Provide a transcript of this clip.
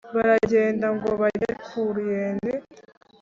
- baragenda ngo bagere ku ruyenzi